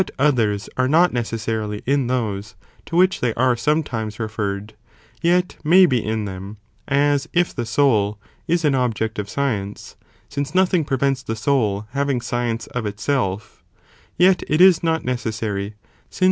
others are not necessarily in those, to which they are sometimes referred, yet may be in them, (as if the soul is an object of science, since nothing prevents the soul having * Vide de science of itself,* yet it is not necessary, since Anima.